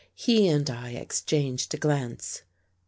He and I exchanged a glance.